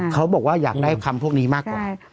เขาบอกว่าอยากได้คำพวกนี้มากกว่า